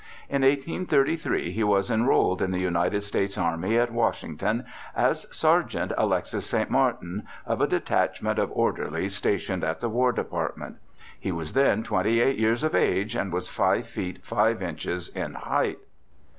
In 1833 he was enrolled in the M 2 i64 BIOGRAPHICAL ESSAYS United States Army at Washington as Sergeant Alexis St, Martin, of a detachment of orderhes stationed at the War Department. He was then twenty eight years of age, and was five feet five inches in height.